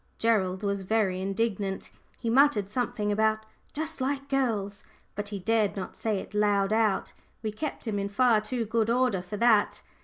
Gerald was very indignant. He muttered something about "just like girls," but he dared not say it loud out; we kept him in far too good order for that.